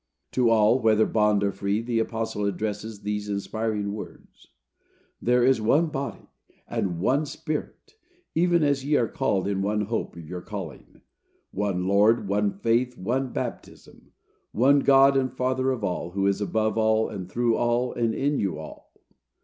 To all, whether bond or free, the apostle addresses these inspiring words: "There is one body, and one spirit, even as ye are called in one hope of your calling; one Lord, one faith, one baptism, one God and Father of all, who is above all, and through all, and in you all."